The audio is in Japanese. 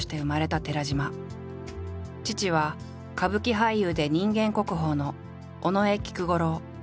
父は歌舞伎俳優で人間国宝の尾上菊五郎。